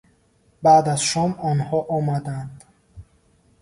Баъд аз шом онҳо омаданд